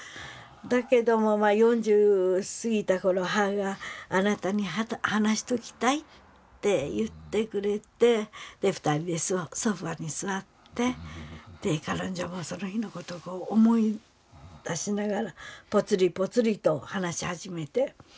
だけども４０過ぎた頃母があなたに話しときたいって言ってくれて２人でソファーに座って彼女もその日の事を思い出しながらぽつりぽつりと話し始めて。